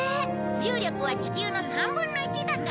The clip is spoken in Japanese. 重力は地球の３分の１だからね。